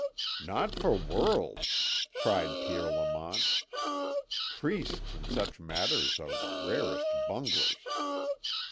"Not for worlds!" cried Pierre Lamont. "Priests in such matters are the rarest bunglers.